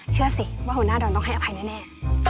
เชื่อสิว่าหัวหน้าดอนต้องให้อภัยแน่